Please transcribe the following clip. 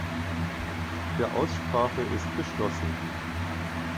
Der Aussprache ist geschlossen.